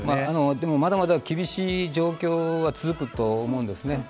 まだまだ厳しい状況は続くとは思うんですね。